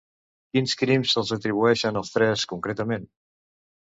Quins crims se'ls atribueixen als tres, concretament?